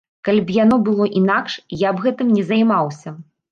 Калі б яно было інакш, я б гэтым не займаўся.